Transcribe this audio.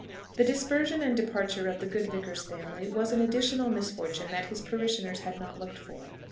The dispersion and departure of the good Vicar's family was an additional misfortune that his parishioners had not looked for.